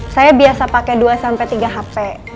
saya biasa pakai dua sampai tiga hp